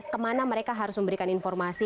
kemana mereka harus memberikan informasi